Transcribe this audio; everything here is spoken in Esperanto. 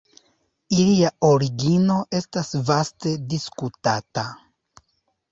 Ilia origino estas vaste diskutata.